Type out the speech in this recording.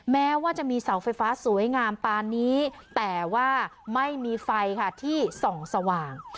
แม้ว่าจะมีเสาไฟฟ้าสวยงามปานนี้แต่ว่าไม่มีไฟค่ะที่ส่องสว่าง